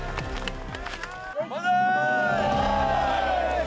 万歳！